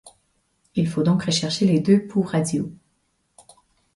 Il faut donc rechercher les deux pouls radiaux.